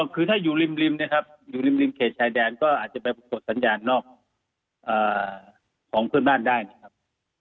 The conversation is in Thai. คือถ้าอยู่ริมเนี่ยครับอยู่ริมเขตชายแดนก็อาจจะไปปรากฏสัญญาณนอกของเพื่อนบ้านได้นะครับ